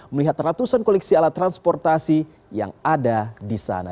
melihat ratusan koleksi alat transportasi yang ada di sana